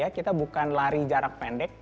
kita bukan lari jarak pendek